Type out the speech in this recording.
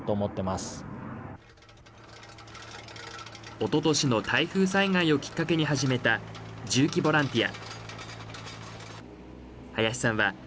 おととしの台風災害をきっかけに始めた重機ボランティア。